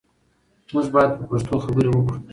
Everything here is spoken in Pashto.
موږ باید په پښتو خبرې وکړو.